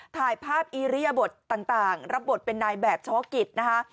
ถ่ายภาพอิริยบทต่างรับบทเป็นนายแบบเฉพาะกิจนะคะ